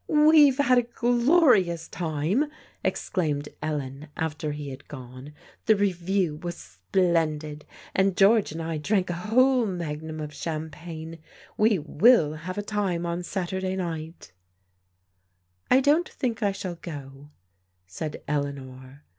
We've had a glorious time !" exclaimed Ellen after he had gone. "The Revue was splendid, and George and I drank a whole magnum of champagne 1 We wiU have a time on Saturday night I "" I don't think I shall go," said Eleanor.